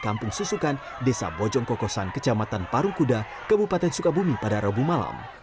kampung susukan desa bojongkokosan kecamatan parungkuda kabupaten sukabumi pada rabu malam